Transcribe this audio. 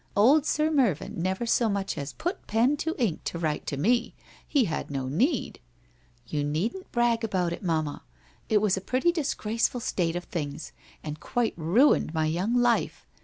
Old Sir Mervyn never so much as put pen to ink to write to me, he had no need '' You needn't brag about it, mamma. It was a pretty disgraceful state of things, and quite ruined my young life.